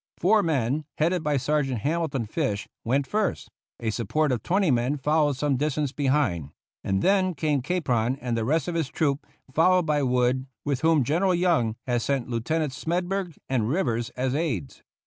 Four men, headed by Sergeant Hamilton Fish, went first; a support of twenty men followed some distance behind; and then came Capron and the rest of his troop, followed by Wood, with whom General Young had sent Lieutenants Smedburg and Rivers as aides.